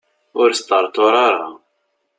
Ur sṭerṭur ara.